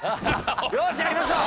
よしやりましょう！